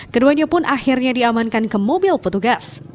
keduanya pun akhirnya diamankan ke mobil petugas